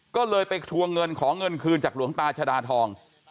ก็เลยไปทวงเงินขอเงินคืนจากหลวงตาชดาทอง